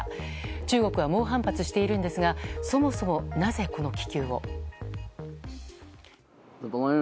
中国は猛反発しているんですがそもそも、なぜこの気球を。